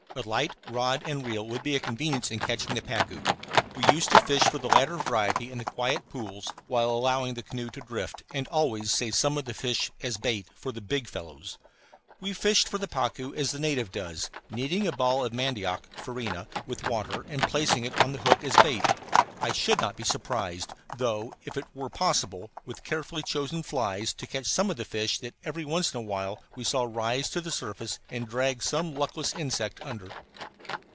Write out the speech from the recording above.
A light rod and reel would be a convenience in catching the pacu. We used to fish for the latter variety in the quiet pools while allowing the canoe to drift, and always saved some of the fish as bait for the big fellows. We fished for the pacu as the native does, kneading a ball of mandioc farina with water and placing it on the hook as bait. I should not be surprised, though, if it were possible, with carefully chosen flies, to catch some of the fish that every once in a while we saw rise to the surface and drag some luckless insect under.